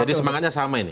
jadi semangatnya sama ini